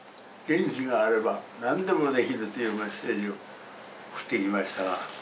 「元気があれば何でもできる」というメッセージを送ってきましたが。